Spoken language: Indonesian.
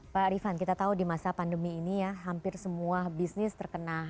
pak rifan kita tahu di masa pandemi ini ya hampir semua bisnis terkena